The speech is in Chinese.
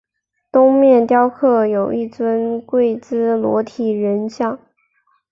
东面雕刻有一尊跪姿裸体人像。